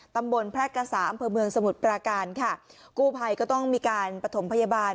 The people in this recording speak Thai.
แพร่กษาอำเภอเมืองสมุทรปราการค่ะกู้ภัยก็ต้องมีการปฐมพยาบาล